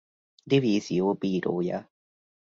Divízió bírója.